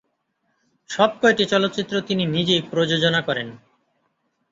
সবকয়টি চলচ্চিত্র তিনি নিজেই প্রযোজনা করেন।